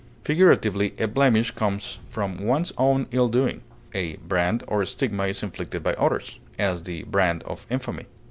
Figuratively, a blemish comes from one's own ill doing; a brand or stigma is inflicted by others; as, the brand of infamy.